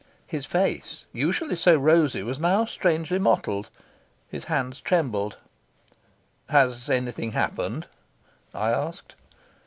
His face, usually so rosy, was now strangely mottled. His hands trembled. "Has anything happened?" I asked.